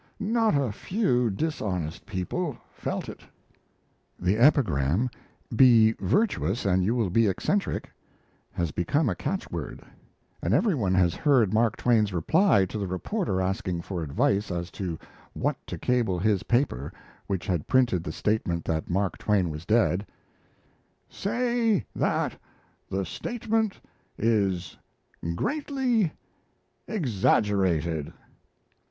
Not a few dishonest people felt it." The epigram, "Be virtuous, and you will be eccentric," has become a catchword; and everyone has heard Mark Twain's reply to the reporter asking for advice as to what to cable his paper, which had printed the statement that Mark Twain was dead "Say that the statement is greatly exaggerated."